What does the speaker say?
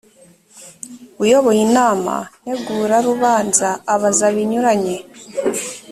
uyoboye inama ntegurarubanza abaza binyuranye